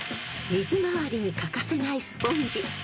［水回りに欠かせないスポンジ］